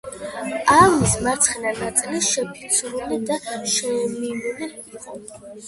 აივნის მარცხენა ნაწილი შეფიცრული და შემინული იყო.